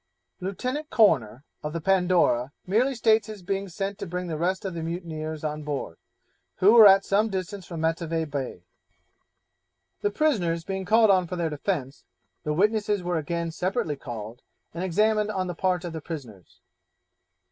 Lieutenant Corner, of the Pandora, merely states his being sent to bring the rest of the mutineers on board, who were at some distance from Matavai Bay. The prisoners being called on for their defence, the witnesses were again separately called and examined on the part of the prisoners.